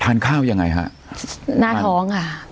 ทานข้าวยังไงฮะหน้าท้องค่ะ